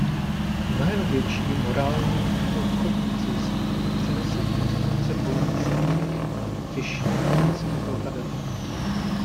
Mnohem větší morální i obchodní zisk přinesly konstrukce dvoumístných těžších vojenských letadel.